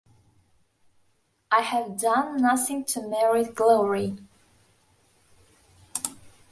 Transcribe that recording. I have done nothing to merit glory.